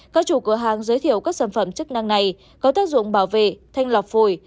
các chủ cửa hàng giới thiệu các sản phẩm chức năng này có tác dụng bảo vệ thanh lọc phổi